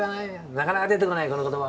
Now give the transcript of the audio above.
なかなか出てこないこの言葉は。